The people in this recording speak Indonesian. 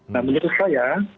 nah menurut saya